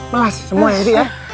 melas semua ya ini ya